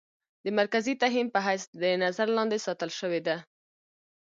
د مرکزي تهيم په حېث د نظر لاندې ساتلے شوې ده.